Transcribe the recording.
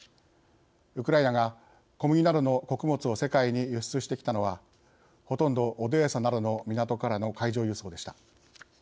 ウクライナが、小麦などの穀物を世界に輸出してきたのはほとんど、オデーサなどの港からの海上輸送でした。